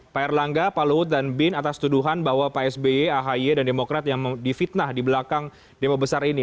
pak erlangga pak luhut dan bin atas tuduhan bahwa pak sby ahy dan demokrat yang difitnah di belakang demo besar ini